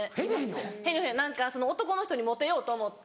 何か男の人にモテようと思って。